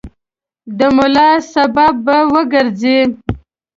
د ملال سبب به وګرځي.